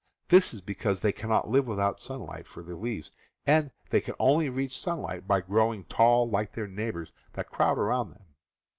This is because they cannot live without sunlight for their leaves, and they can only reach sunlight by grow ing tall like their neighbors that crowd around them.